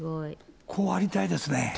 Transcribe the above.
こうありたいですね。